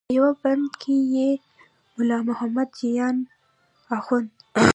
په یوه بند کې یې ملا محمد جان اخوند.